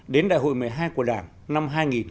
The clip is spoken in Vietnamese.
đến đại hội một mươi hai của đảng năm hai nghìn một mươi sáu